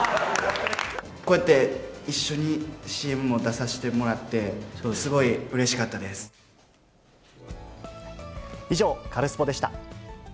こうやって一緒にＣＭも出させてもらって、すごいうれしかったで以上、カルスポっ！でした。